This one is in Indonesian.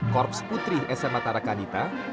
korps putri sma tara kanita